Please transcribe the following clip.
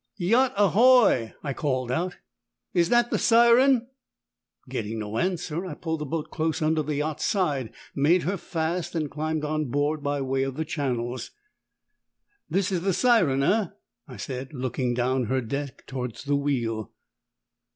"Yacht ahoy!" I called out. "Is that the Siren?" Getting no answer, I pulled the boat close under the yacht's side, made her fast, and climbed on board by way of the channels. "This is the Siren, eh?" I said, looking down her deck towards the wheel.